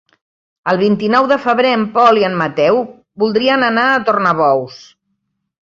El vint-i-nou de febrer en Pol i en Mateu voldrien anar a Tornabous.